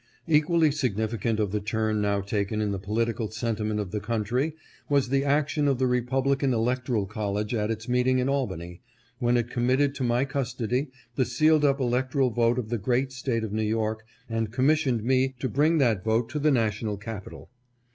Equally significant of the turn now taken in the politi cal sentiment of the country was the action of the Repub lican electoral college at its meeting in Albany, when it committed to my custody the sealed up electoral vote of the great State of New York and commissioned me to bring that vote to the national capital.